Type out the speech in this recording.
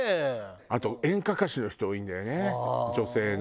あと演歌歌手の人多いんだよね女性の。